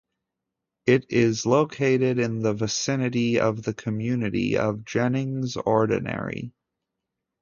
It is located in the vicinity of the community of Jennings Ordinary.